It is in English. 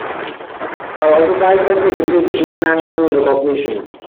Her autobiography received international recognition.